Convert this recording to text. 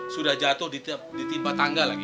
sudah jatuh ditimpa tangga lagi